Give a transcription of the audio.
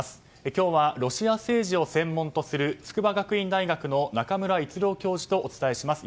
今日はロシア政治を専門とする筑波学院大学の中村逸郎教授とお伝えします。